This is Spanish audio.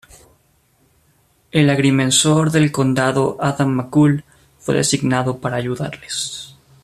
El agrimensor del condado, Adam McCool, fue designado para ayudarles.